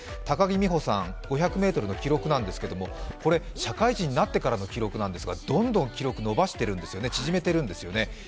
高木美帆さん５００ｍの記録なんですが社会人になってからの記録なんですがどんどん記録を伸ばしてる、縮めてるんですよね。